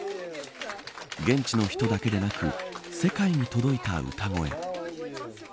現地の人だけでなく世界に届いた歌声。